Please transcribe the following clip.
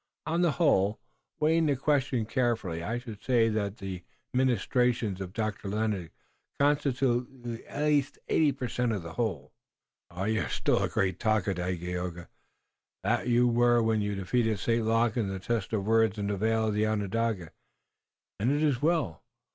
On the whole, weighing the question carefully, I should say that the ministrations of Dr. Lennox constitute at least eighty per cent of the whole." "You are still the great talker, Dagaeoga, that you were when you defeated St. Luc in the test of words in the Vale of Onondaga, and it is well.